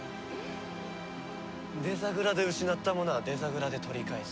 デザグラで失ったものはデザグラで取り返す。